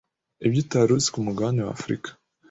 ibyo utaruzi ku mugabane wa Afurika.